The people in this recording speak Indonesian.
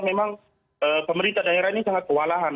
memang pemerintah daerah ini sangat kewalahan